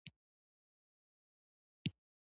خارجي موډل یې په شدت سره یادونه شوې.